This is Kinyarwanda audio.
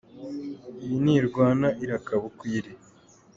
Iyo ntirwana irakaba ukwo iri!